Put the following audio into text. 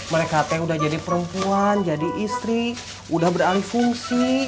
mereka teh udah jadi perempuan jadi istri udah beralih fungsi